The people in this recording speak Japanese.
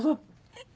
えっ？